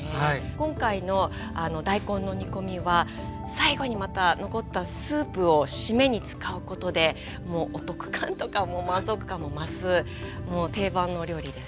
今回の大根の煮込みは最後にまた残ったスープを締めに使うことでお得感とかも満足感も増すもう定番のお料理です。